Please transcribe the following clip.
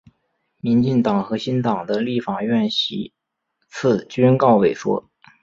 民进党和新党的立法院席次均告萎缩。